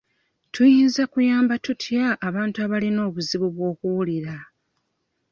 Tuyinza kuyamba tutya abantu abalina obuzibu bw'okuwulira?